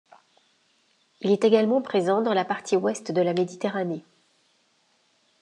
Il est également présent dans la partie ouest de la Méditerranée.